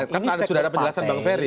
karena sudah ada penjelasan bang ferry